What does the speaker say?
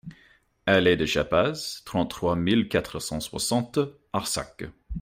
Allée de Chappaz, trente-trois mille quatre cent soixante Arsac